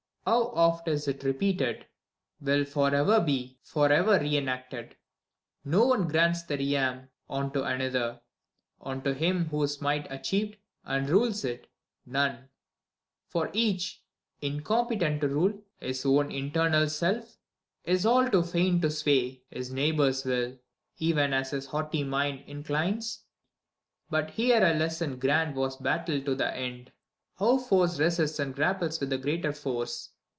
How oft is it repeated !— ^will forever be Forever re enacted! No one grants the realm Unto another : unto him whose might achieved And rules it, none ; for each, incompetent to rule His own internal self, is all too fain to sway His neighbor's will, even as his haughty mind inclines. But here a lesson grand was battled to the end, How force resists and grapples with the greater force.